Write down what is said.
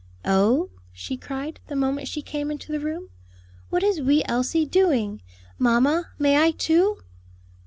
"Oh," she cried, the moment she came into the room, "what is wee Elsie doing? Mamma, may I, too?"